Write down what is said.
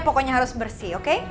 pokoknya harus bersih oke